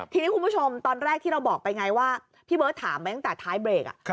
ทีนี้คุณผู้ชมตอนแรกที่เราบอกไปไงว่าพี่เบิร์ตถามไปตั้งแต่ท้ายเบรก